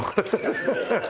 アハハハハ。